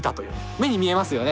目に見えますよね。